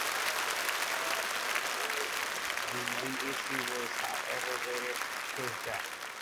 The re-issue was, however, later pushed back.